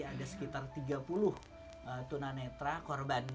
ada sekitar tiga puluh tuna netra korban